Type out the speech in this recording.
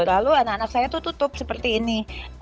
lalu anak anak saya itu tutup seperti ini